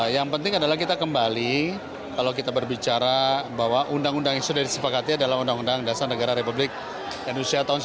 yang penting adalah kita kembali kalau kita berbicara bahwa undang undang yang sudah disepakati adalah undang undang dasar negara republik indonesia tahun seribu sembilan ratus empat puluh